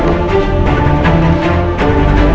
aku putri dari masjid takaraja